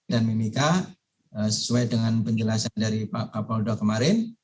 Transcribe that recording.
dan mimika sesuai dengan penjelasan dari pak kapoldo kemarin